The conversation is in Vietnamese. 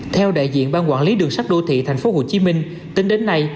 theo đại diện ban quản lý đường sắt đô thị tp hcm tính đến nay